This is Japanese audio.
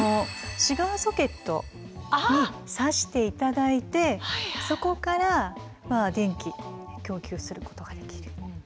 シガーソケットにさして頂いてそこから電気供給することができる。